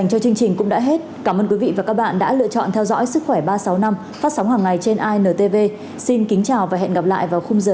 cảm ơn các bạn đã theo dõi và hẹn gặp lại